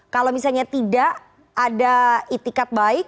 kalau misalnya tidak ada itikat baik